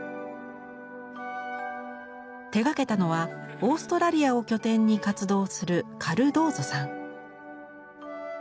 手がけたのはオーストラリアを拠点に活動するカルドーゾさん。